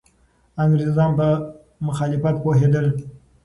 انګریزان په مخالفت پوهېدل.